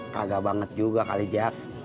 kagak banget juga kali jack